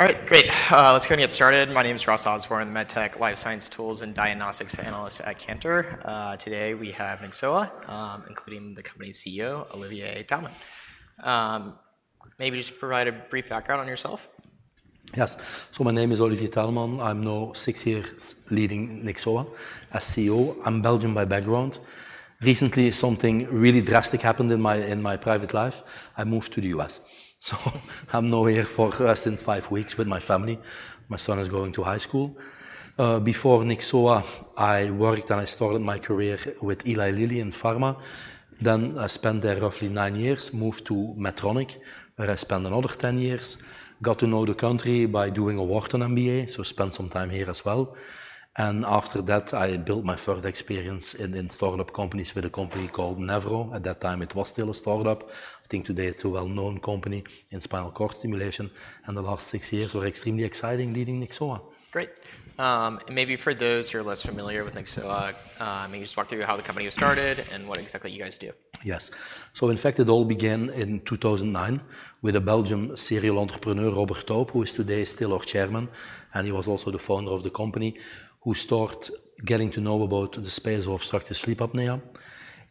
All right, great. Let's go ahead and get started. My name is Ross Osborne, the MedTech, Life Science Tools, and Diagnostics Analyst at Cantor. Today we have Nyxoah, including the company's CEO, Olivier Taelman. Maybe just provide a brief background on yourself. Yes. So my name is Olivier Taelman. I'm now six years leading Nyxoah as CEO. I'm Belgian by background. Recently, something really drastic happened in my private life. I moved to the U.S., so I'm now here for the last five weeks with my family. My son is going to high school. Before Nyxoah, I worked and I started my career with Eli Lilly in pharma. Then, I spent there roughly nine years, moved to Medtronic, where I spent another ten years. Got to know the country by doing a Wharton MBA, so spent some time here as well. And after that, I built my further experience in start-up companies with a company called Nevro. At that time, it was still a start-up. I think today it's a well-known company in spinal cord stimulation, and the last six years were extremely exciting, leading Nyxoah. Great. Maybe for those who are less familiar with Nyxoah, maybe just walk through how the company was started and what exactly you guys do. Yes. So in fact, it all began in two thousand and nine with a Belgian serial entrepreneur, Robert Taub, who is today still our chairman, and he was also the founder of the company, who started getting to know about the space of obstructive sleep apnea.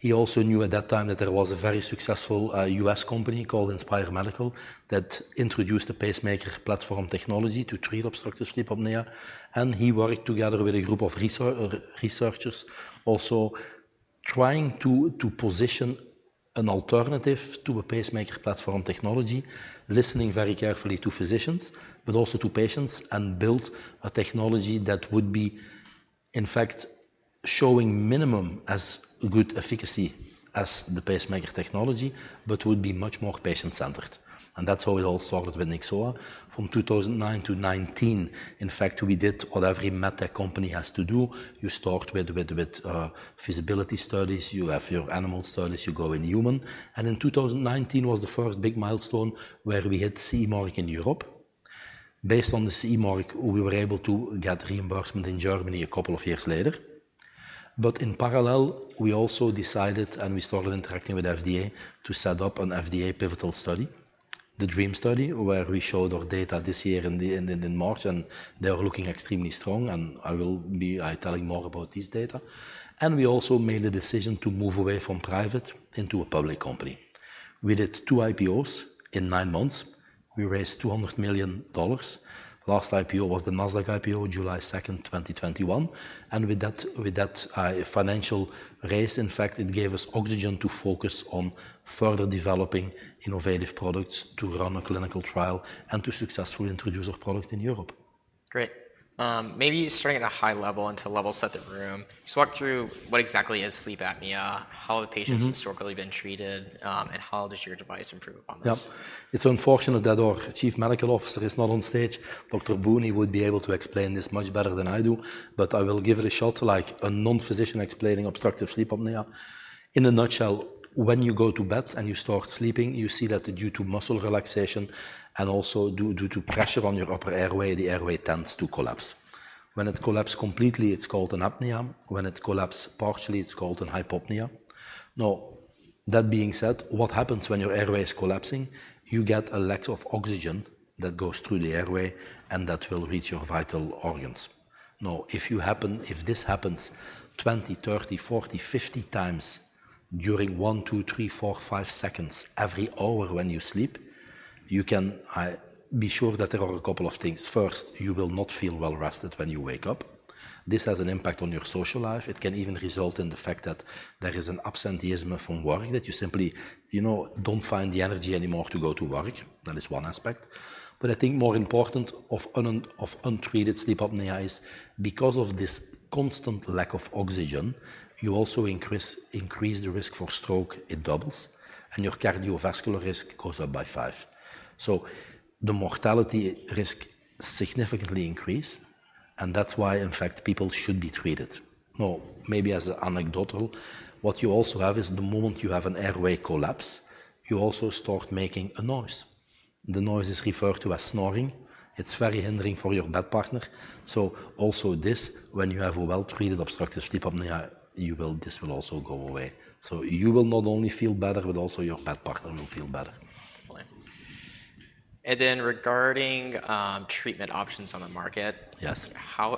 He also knew at that time that there was a very successful U.S. company called Inspire Medical, that introduced a pacemaker platform technology to treat obstructive sleep apnea. And he worked together with a group of researchers, also trying to position an alternative to a pacemaker platform technology, listening very carefully to physicians, but also to patients, and built a technology that would be, in fact, showing minimum as good efficacy as the pacemaker technology, but would be much more patient-centered. And that's how it all started with Nyxoah. From two thousand and nine to nineteen, in fact, we did what every med tech company has to do. You start with feasibility studies. You have your animal studies. You go in human. And in two thousand and nineteen was the first big milestone where we hit CE Mark in Europe. Based on the CE Mark, we were able to get reimbursement in Germany a couple of years later. But in parallel, we also decided, and we started interacting with FDA to set up an FDA pivotal study, the DREAM study, where we showed our data this year in March, and they were looking extremely strong, and I will be telling more about this data. And we also made a decision to move away from private into a public company. We did two IPOs in nine months. We raised $200 million. Last IPO was the Nasdaq IPO, July second, 2021, and with that financial raise, in fact, it gave us oxygen to focus on further developing innovative products, to run a clinical trial, and to successfully introduce our product in Europe. Great. Maybe starting at a high level and to level set the room, just walk through what exactly is sleep apnea? Mm-hmm. How have patients historically been treated, and how does your device improve upon this? Yeah. It's unfortunate that our chief medical officer is not on stage. Dr. Boon, he would be able to explain this much better than I do, but I will give it a shot, like a non-physician explaining obstructive sleep apnea. In a nutshell, when you go to bed, and you start sleeping, you see that due to muscle relaxation and also due to pressure on your upper airway, the airway tends to collapse. When it collapses completely, it's called an apnea. When it collapses partially, it's called a hypopnea. Now, that being said, what happens when your airway is collapsing? You get a lack of oxygen that goes through the airway and that will reach your vital organs. Now, if you happen... If this happens twenty, thirty, forty, fifty times during one, two, three, four, five seconds every hour when you sleep, you can be sure that there are a couple of things. First, you will not feel well rested when you wake up. This has an impact on your social life. It can even result in the fact that there is an absenteeism from work, that you simply, you know, don't find the energy anymore to go to work. That is one aspect, but I think more important of untreated sleep apnea is, because of this constant lack of oxygen, you also increase the risk for stroke. It doubles, and your cardiovascular risk goes up by five. So the mortality risk significantly increase, and that's why, in fact, people should be treated. Now, maybe as an anecdotal, what you also have is the moment you have an airway collapse, you also start making a noise. The noise is referred to as snoring. It's very hindering for your bed partner. So also this, when you have a well-treated obstructive sleep apnea, you will - this will also go away. So you will not only feel better, but also your bed partner will feel better. Definitely. And then regarding treatment options on the market- Yes. How,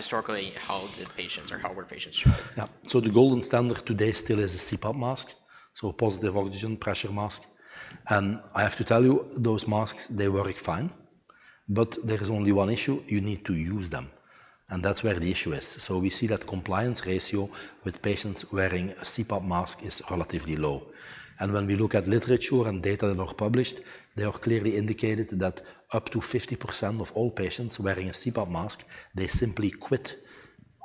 historically, how did patients or how were patients treated? Yeah. So the golden standard today still is a CPAP mask, so positive oxygen pressure mask. And I have to tell you, those masks, they work fine, but there is only one issue: You need to use them, and that's where the issue is. So we see that compliance ratio with patients wearing a CPAP mask is relatively low. And when we look at literature and data that are published, they are clearly indicated that up to 50% of all patients wearing a CPAP mask, they simply quit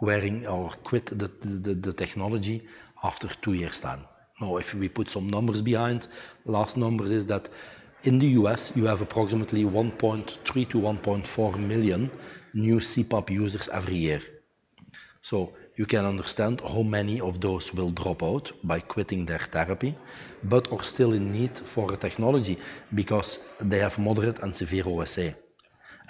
wearing or quit the technology after two years' time. Now, if we put some numbers behind, last numbers is that in the U.S., you have approximately 1.3 to 1.4 million new CPAP users every year. So you can understand how many of those will drop out by quitting their therapy, but are still in need for a technology because they have moderate and severe OSA,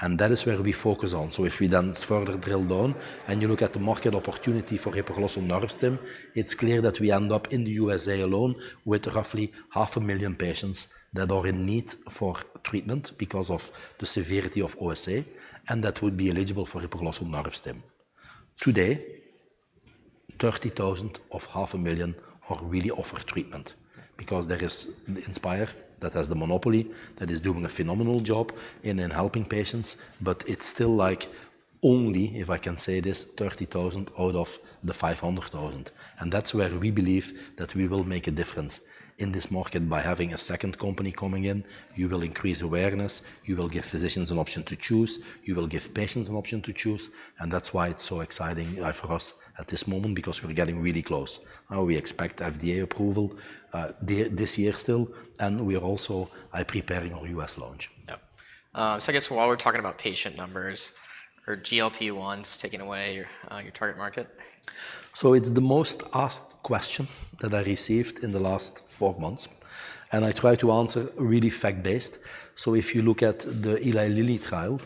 and that is where we focus on. So if we then further drill down, and you look at the market opportunity for hypoglossal nerve stim, it's clear that we end up in the USA alone with roughly 500,000 patients that are in need for treatment because of the severity of OSA, and that would be eligible for hypoglossal nerve stim. Today, 30,000 of 500,000 are really offered treatment. Because there is the Inspire that has the monopoly, that is doing a phenomenal job in helping patients, but it's still like only, if I can say this, 30,000 out of the 500,000. And that's where we believe that we will make a difference in this market by having a second company coming in. You will increase awareness, you will give physicians an option to choose, you will give patients an option to choose, and that's why it's so exciting, for us at this moment, because we're getting really close. We expect FDA approval, this year still, and we are also preparing our U.S. launch. Yep. So I guess while we're talking about patient numbers, are GLP-1s taking away your target market? So it's the most asked question that I received in the last four months, and I try to answer really fact-based. So if you look at the Eli Lilly trial,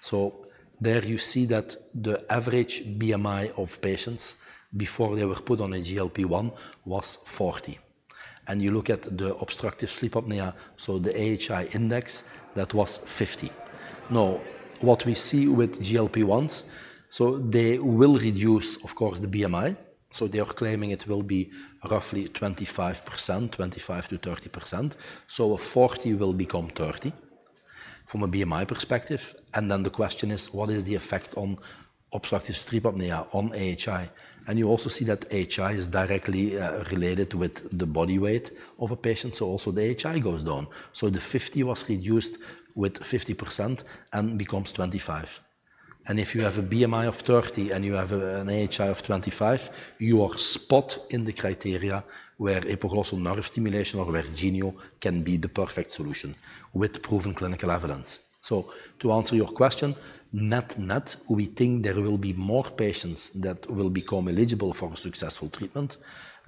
so there you see that the average BMI of patients before they were put on a GLP-1 was 40. And you look at the obstructive sleep apnea, so the AHI index, that was 50. Now, what we see with GLP-1s, so they will reduce, of course, the BMI. So they are claiming it will be roughly 25%, 25%-30%. So a 40 will become 30 from a BMI perspective, and then the question is: What is the effect on obstructive sleep apnea, on AHI? And you also see that AHI is directly related with the body weight of a patient, so also the AHI goes down. The 50 was reduced by 50% and becomes 25. If you have a BMI of 30 and you have an AHI of 25, you are spot on the criteria where hypoglossal nerve stimulation or where Genio can be the perfect solution with proven clinical evidence. To answer your question, net-net, we think there will be more patients that will become eligible for successful treatment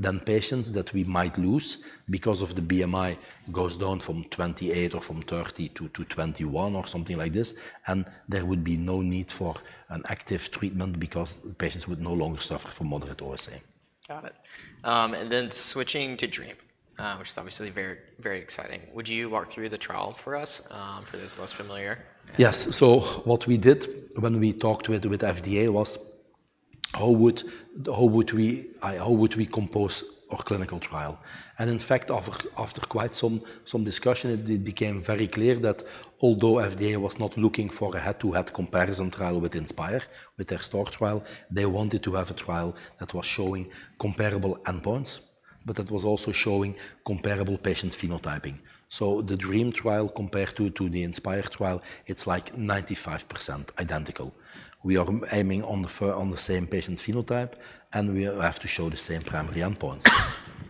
than patients that we might lose because of the BMI goes down from 28 or from 30 to 21 or something like this, and there would be no need for an active treatment because patients would no longer suffer from moderate OSA. Got it. And then switching to DREAM, which is obviously very, very exciting. Would you walk through the trial for us, for those less familiar? Yes. So what we did when we talked with FDA was: How would we compose our clinical trial? And in fact, after quite some discussion, it became very clear that although FDA was not looking for a head-to-head comparison trial with Inspire, with their STAR trial, they wanted to have a trial that was showing comparable endpoints, but that was also showing comparable patient phenotyping. So the DREAM trial, compared to the Inspire trial, it's like 95% identical. We are aiming on the same patient phenotype, and we have to show the same primary endpoints.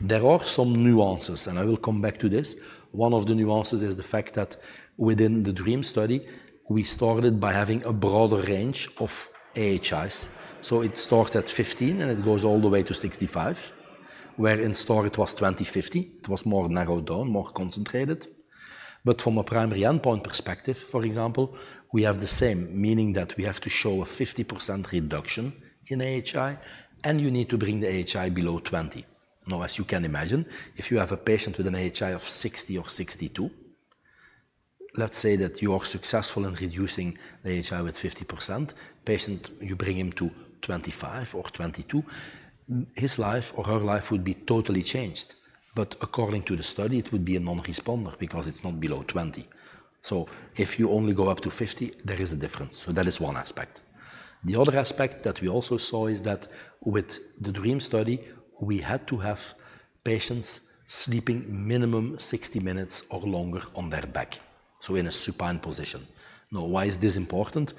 There are some nuances, and I will come back to this. One of the nuances is the fact that within the DREAM study, we started by having a broader range of AHIs. It starts at 15, and it goes all the way to 65, where in STAR it was 20-50. It was more narrowed down, more concentrated. But from a primary endpoint perspective, for example, we have the same, meaning that we have to show a 50% reduction in AHI, and you need to bring the AHI below 20. Now, as you can imagine, if you have a patient with an AHI of 60 or 62, let's say that you are successful in reducing the AHI with 50%. Patient, you bring him to 25 or 22, his life or her life would be totally changed. But according to the study, it would be a non-responder because it's not below 20. So if you only go up to 50, there is a difference. So that is one aspect. The other aspect that we also saw is that with the DREAM study, we had to have patients sleeping minimum 60 minutes or longer on their back, so in a supine position. Now, why is this important?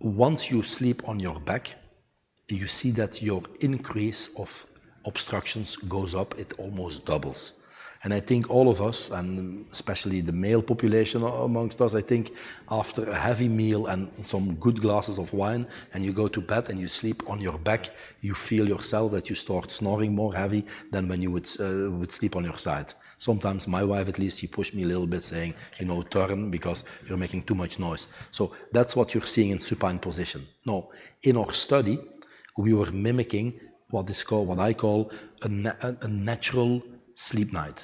Once you sleep on your back, you see that your increase of obstructions goes up. It almost doubles, and I think all of us, and especially the male population amongst us, I think after a heavy meal and some good glasses of wine, and you go to bed and you sleep on your back, you feel yourself that you start snoring more heavy than when you would would sleep on your side. Sometimes my wife, at least, she push me a little bit, saying, "You know, turn, because you're making too much noise," so that's what you're seeing in supine position. Now, in our study, we were mimicking what is called, what I call a natural sleep night.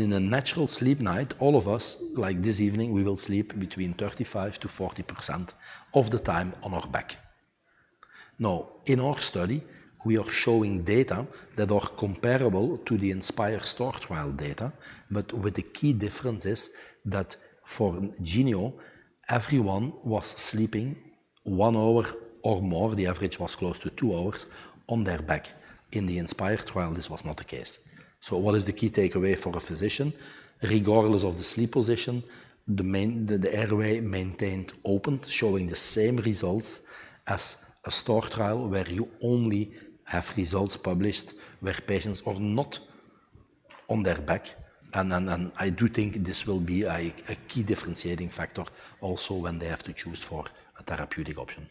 In a natural sleep night, all of us, like this evening, we will sleep between 35%-40% of the time on our back. Now, in our study, we are showing data that are comparable to the Inspire STAR trial data, but with the key differences that for Genio, everyone was sleeping one hour or more, the average was close to two hours, on their back. In the Inspire trial, this was not the case. What is the key takeaway for a physician? Regardless of the sleep position, the main... the airway maintained opened, showing the same results as a STAR trial, where you only have results published where patients are not on their back. And then I do think this will be, like, a key differentiating factor also when they have to choose for a therapeutic option.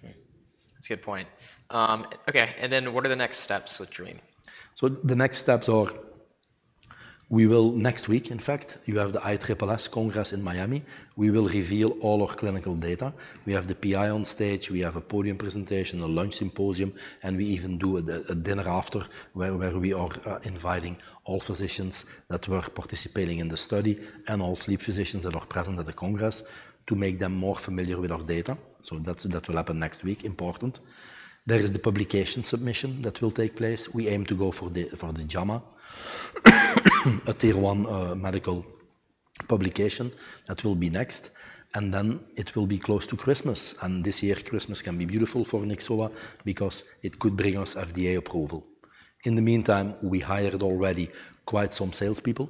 That's a good point. Okay, and then what are the next steps with DREAM? So the next steps are, we will. Next week, in fact, you have the AAO-HNS Congress in Miami. We will reveal all our clinical data. We have the PI on stage, we have a podium presentation, a lunch symposium, and we even do a dinner after, where we are inviting all physicians that were participating in the study and all sleep physicians that are present at the Congress to make them more familiar with our data. So that will happen next week, important. There is the publication submission that will take place. We aim to go for the JAMA, a Tier 1 medical publication that will be next, and then it will be close to Christmas. And this year, Christmas can be beautiful for Nyxoah because it could bring us FDA approval. In the meantime, we hired already quite some salespeople,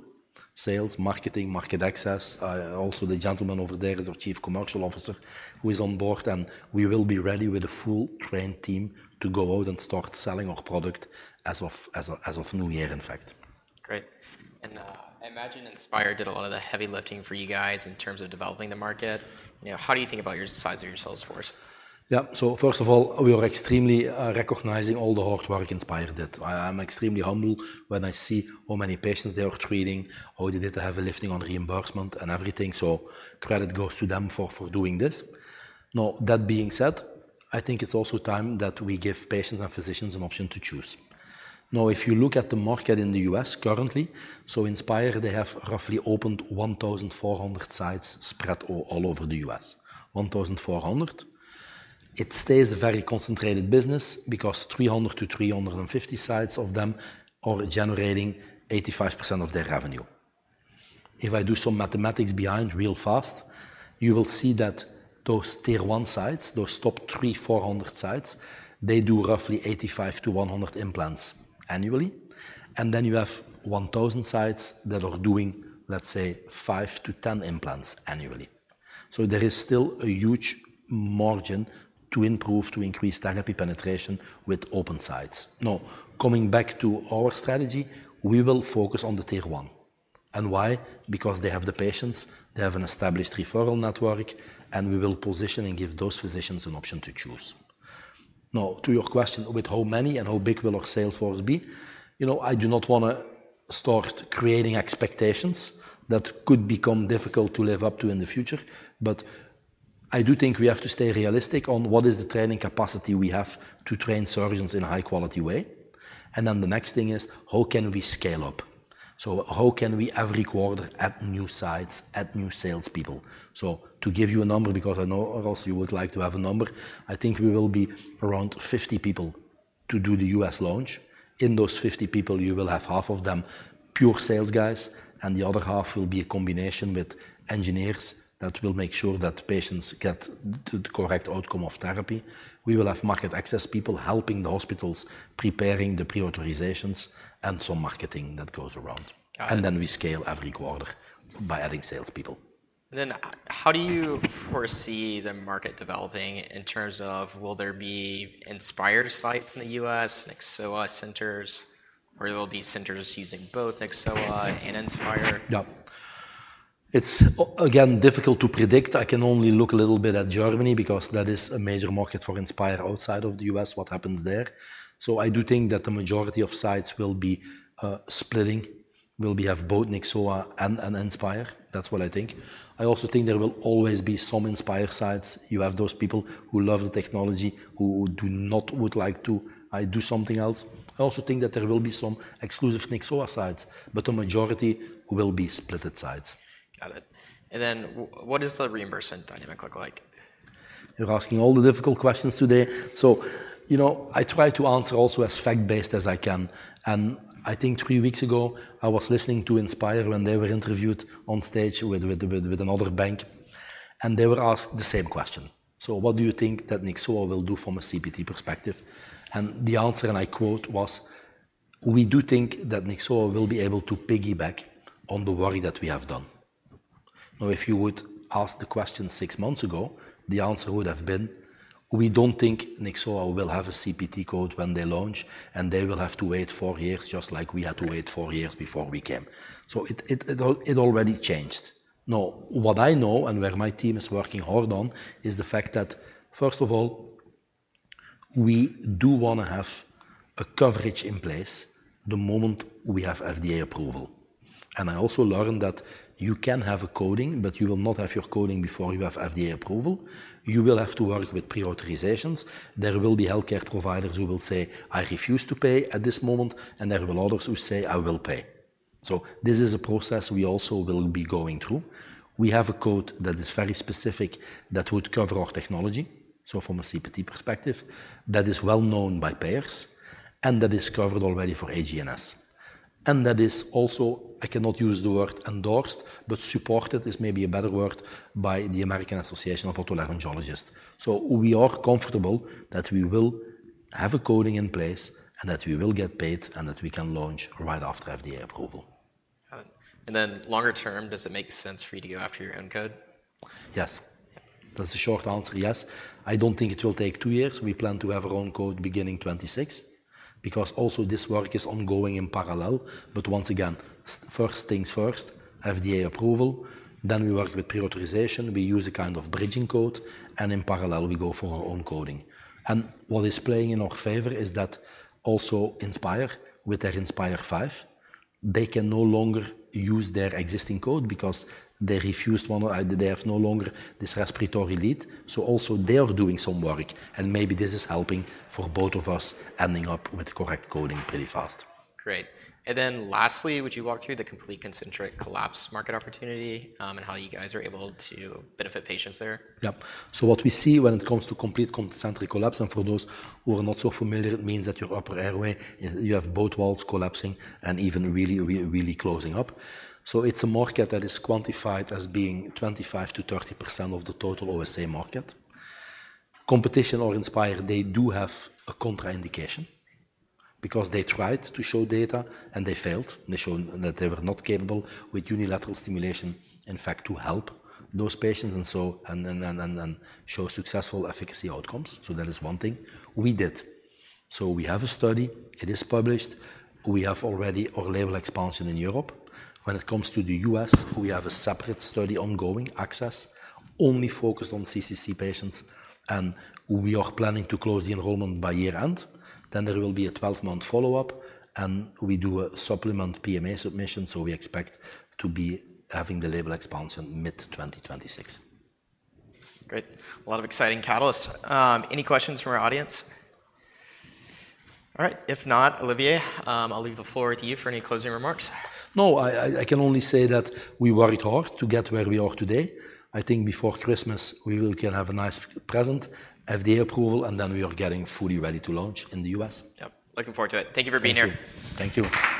sales, marketing, market access. Also, the gentleman over there is our Chief Commercial Officer, who is on board, and we will be ready with a full trained team to go out and start selling our product as of new year, in fact. Great. And, I imagine Inspire did a lot of the heavy lifting for you guys in terms of developing the market. You know, how do you think about your size of your sales force? Yeah. So first of all, we are extremely recognizing all the hard work Inspire did. I am extremely humble when I see how many patients they are treating, how they did have a lifting on reimbursement and everything, so credit goes to them for doing this. Now, that being said, I think it's also time that we give patients and physicians an option to choose. Now, if you look at the market in the U.S. currently, so Inspire, they have roughly opened 1,400 sites spread all over the U.S. 1,400. It stays a very concentrated business because 300 to 350 sites of them are generating 85% of their revenue. If I do some mathematics behind real fast, you will see that those Tier One sites, those top 300-400 sites, they do roughly 85-100 implants annually. And then you have 1,000 sites that are doing, let's say, 5-10 implants annually. So there is still a huge margin to improve, to increase therapy penetration with open sites. Now, coming back to our strategy, we will focus on the Tier One. And why? Because they have the patients, they have an established referral network, and we will position and give those physicians an option to choose. Now, to your question with how many and how big will our sales force be? You know, I do not wanna start creating expectations that could become difficult to live up to in the future, but I do think we have to stay realistic on what is the training capacity we have to train surgeons in a high-quality way. And then the next thing is: How can we scale up? So how can we, every quarter, add new sites, add new salespeople? So to give you a number, because I know also you would like to have a number, I think we will be around 50 people to do the U.S. launch. In those 50 people, you will have half of them pure sales guys, and the other half will be a combination with engineers that will make sure that patients get the correct outcome of therapy. We will have market access people helping the hospitals, preparing the pre-authorizations, and some marketing that goes around. Got it. And then we scale every quarter by adding salespeople. How do you foresee the market developing in terms of will there be Inspire sites in the U.S., Nyxoah centers, or will there be centers using both Nyxoah and Inspire? Yeah. It's, again, difficult to predict. I can only look a little bit at Germany because that is a major market for Inspire outside of the U.S., what happens there. So I do think that the majority of sites will be splitting, will be of both Nyxoah and Inspire. That's what I think. I also think there will always be some Inspire sites. You have those people who love the technology, who would like to do something else. I also think that there will be some exclusive Nyxoah sites, but the majority will be split sites. Got it. And then what does the reimbursement dynamic look like? You're asking all the difficult questions today. So, you know, I try to answer also as fact-based as I can, and I think three weeks ago I was listening to Inspire when they were interviewed on stage with another bank, and they were asked the same question: "So what do you think that Nyxoah will do from a CPT perspective?" And the answer, and I quote, was, "We do think that Nyxoah will be able to piggyback on the work that we have done." Now, if you would ask the question six months ago, the answer would have been, "We don't think Nyxoah will have a CPT code when they launch, and they will have to wait four years, just like we had to wait- Right... four years before we came. So it already changed. Now, what I know and where my team is working hard on, is the fact that, first of all, we do wanna have a coverage in place the moment we have FDA approval. And I also learned that you can have a coding, but you will not have your coding before you have FDA approval. You will have to work with pre-authorizations. There will be healthcare providers who will say, "I refuse to pay at this moment," and there will be others who say, "I will pay." So this is a process we also will be going through. We have a code that is very specific, that would cover our technology, so from a CPT perspective, that is well known by payers and that is covered already for HGNS. That is also, I cannot use the word endorsed, but supported is maybe a better word, by the American Academy of Otolaryngology-Head and Neck Surgery. We are comfortable that we will have a coding in place and that we will get paid, and that we can launch right after FDA approval. Got it, and then longer term, does it make sense for you to go after your own code? Yes. That's the short answer. Yes. I don't think it will take two years. We plan to have our own code beginning 2026, because also this work is ongoing in parallel. But once again, first things first, FDA approval, then we work with pre-authorization. We use a kind of bridging code, and in parallel, we go for our own coding. And what is playing in our favor is that also Inspire, with their Inspire V, they can no longer use their existing code because they refused one, or they have no longer this respiratory lead. So also they are doing some work, and maybe this is helping for both of us, ending up with correct coding pretty fast. Great. And then lastly, would you walk through the Complete Concentric Collapse market opportunity, and how you guys are able to benefit patients there? Yeah. So what we see when it comes to complete concentric collapse, and for those who are not so familiar, it means that your upper airway, you have both walls collapsing and even really, really closing up. So it's a market that is quantified as being 25%-30% of the total OSA market. Competitor Inspire, they do have a contraindication because they tried to show data, and they failed. They shown that they were not capable with unilateral stimulation, in fact, to help those patients, and so show successful efficacy outcomes. So that is one thing we did. So we have a study. It is published. We have already our label expansion in Europe. When it comes to the U.S., we have a separate study ongoing, ACCESS, only focused on CCC patients, and we are planning to close the enrollment by year-end. Then there will be a twelve-month follow-up, and we do a supplemental PMA submission, so we expect to be having the label expansion mid-2026. Great. A lot of exciting catalysts. Any questions from our audience? All right, if not, Olivier, I'll leave the floor with you for any closing remarks. No, I can only say that we worked hard to get where we are today. I think before Christmas, we will can have a nice present, FDA approval, and then we are getting fully ready to launch in the US. Yep, looking forward to it. Thank you for being here. Thank you. Thank you.